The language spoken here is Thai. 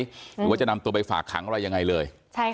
หรือว่าจะนำตัวไปฝากขังอะไรยังไงเลย